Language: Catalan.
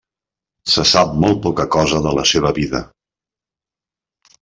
Se sap molt poca cosa de la seva vida.